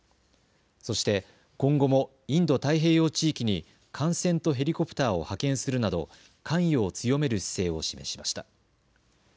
そして今後もインド太平洋地域に艦船とヘリコプターを派遣するなど関与を強める姿勢を示しました。